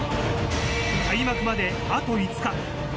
開幕まであと５日。